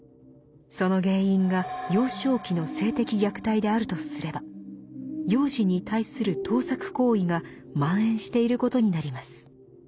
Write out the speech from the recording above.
その原因が幼少期の性的虐待であるとすれば「幼児に対する倒錯行為」が蔓延していることになります。